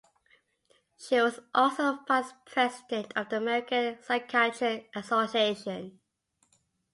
She was also vice president of the American Psychiatric Association.